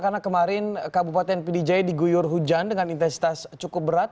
karena kemarin kabupaten pdj diguyur hujan dengan intensitas cukup berat